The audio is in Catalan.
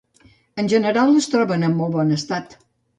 En general, es troben en molt bon estat.